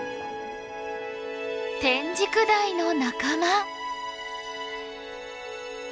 テンジクダイの仲間。